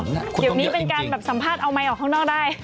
เดี๋ยวนี้เป็นการแบบสัมภาษณ์เอาไมค์ออกข้างนอกได้